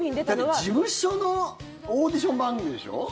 だって、事務所のオーディション番組でしょ？